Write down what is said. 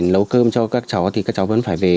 nấu cơm cho các cháu thì các cháu vẫn phải về